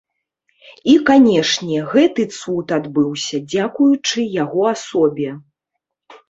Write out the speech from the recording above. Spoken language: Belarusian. І, канешне, гэты цуд адбыўся дзякуючы яго асобе.